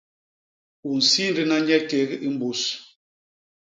U nsindna nye kék i mbus.